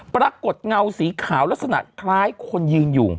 เงาสีขาวลักษณะคล้ายคนยืนอยู่